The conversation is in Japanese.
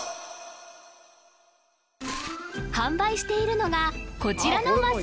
販売しているのがこちらのます